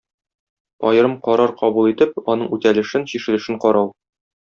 Аерым карар кабул итеп, аның үтәлешен, чишелешен карау.